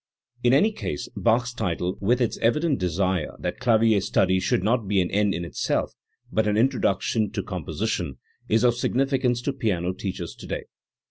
In any case Bach's title, with its evident desire that clavier study should not be an end in itself but an introduction to com position, is of significance to piano teachers today.